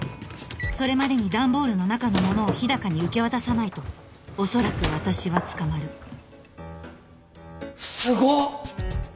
それまでにダンボールの中のものを日高に受け渡さないとおそらく私は捕まるすごっ！